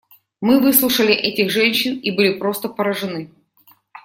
Мы выслушали этих женщин и были просто поражены.